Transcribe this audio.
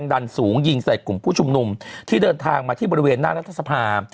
ดันสูงยิงใส่กลุ่มผู้ชุมนุมที่เดินทางมาที่บริเวณหน้ารัฐสภา